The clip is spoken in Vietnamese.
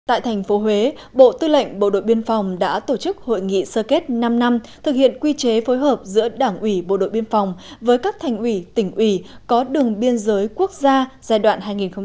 tại thành phố huế bộ tư lệnh bộ đội biên phòng đã tổ chức hội nghị sơ kết năm năm thực hiện quy chế phối hợp giữa đảng ủy bộ đội biên phòng với các thành ủy tỉnh ủy có đường biên giới quốc gia giai đoạn hai nghìn một mươi năm hai nghìn hai mươi